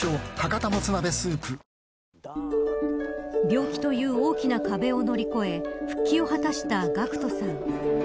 病気という大きな壁を乗り越え復帰を果たしたＧＡＣＫＴさん。